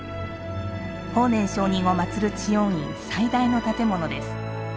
法然上人を祭る知恩院最大の建物です。